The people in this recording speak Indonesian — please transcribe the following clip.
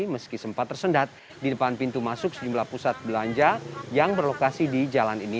meski sempat tersendat di depan pintu masuk sejumlah pusat belanja yang berlokasi di jalan ini